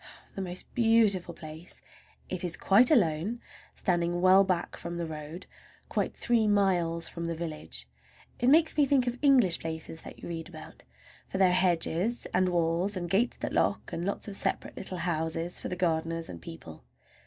The most beautiful place! It is quite alone, standing well back from the road, quite three miles from the village. It makes me think of English places that you read about, for there are hedges and walls and gates that lock, and lots of separate little houses for the gardeners and people.